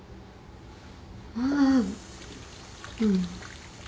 ああうん。